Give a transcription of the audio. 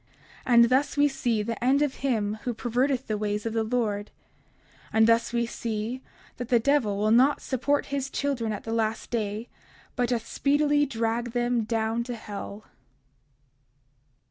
30:60 And thus we see the end of him who perverteth the ways of the Lord; and thus we see that the devil will not support his children at the last day, but doth speedily drag them down to hell.